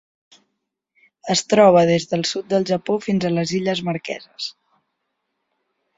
Es troba des del sud del Japó fins a les Illes Marqueses.